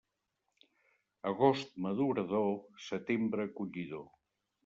Agost madurador, setembre collidor.